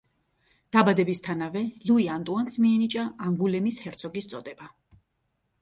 დაბადებისთანავე ლუი ანტუანს მიენიჭა ანგულემის ჰერცოგის წოდება.